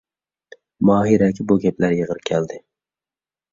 ماھىرەگە بۇ گەپلەر ئېغىر كەلدى.